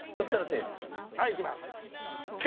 はいいきます。